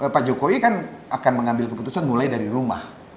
pak jokowi kan akan mengambil keputusan mulai dari rumah